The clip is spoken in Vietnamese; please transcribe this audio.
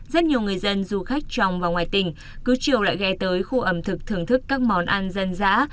rất nhiều người dân du khách trong và ngoài tỉnh cứ chiều lại ghe tới khu ẩm thực thưởng thức các món ăn dân dã